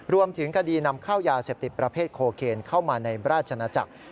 รวมถึงคดีนำเข้ายาเสพติดประเภทโคเคนเข้ามาในราชนาจักร